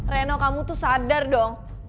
reno kamu tuh sadar dong